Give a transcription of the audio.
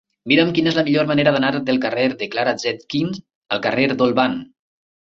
Mira'm quina és la millor manera d'anar del carrer de Clara Zetkin al carrer d'Olvan.